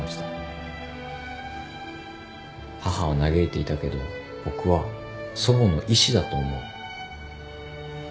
母は嘆いていたけど僕は祖母の意志だと思う。